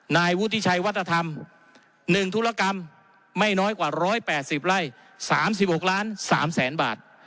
นายวุฒิชัยวัฒนธรรม๑ธุรกรรมไม่น้อยกว่า๑๘๐ไร่๓๖ล้าน๓แสนบาท